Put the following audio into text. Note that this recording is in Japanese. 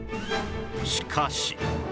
しかし